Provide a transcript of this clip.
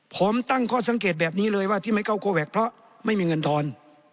ผมตั้งข้อสังเกตแบบนี้เลยว่าที่ไม่เข้าโคแวคเพราะไม่มีเงินทอน